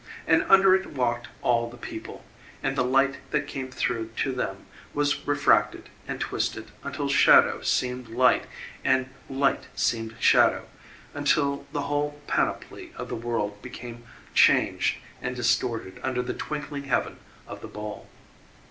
And under it walked all the people, and the light that came through to them was refracted and twisted until shadow seamed light and light seemed shadow until the whole panoply of the world became changed and distorted under the twinkling heaven of the bowl.